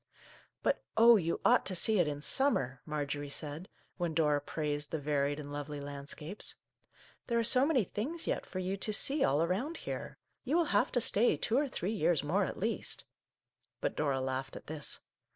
" But oh, you ought to see it in summer !" Marjorie said, when Dora praised the varied and lovely landscapes. " There are so many things yet for you to see all around here. You will have to stay two or three years more at least !" But Dora laughed at this.